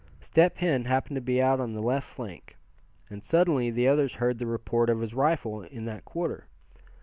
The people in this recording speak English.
Step Hen happened to be out on the left flank, and suddenly the others heard the report of his rifle in that quarter.